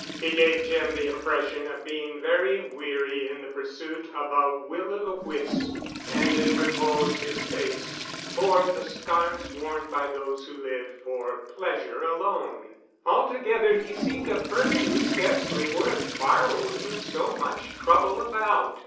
He gave Jim the impression of being very weary in the pursuit of a will o' the wisp. And in repose, his face bore the scars worn by those who live for pleasure alone. Altogether he seemed a person scarcely worth borrowing so much trouble about.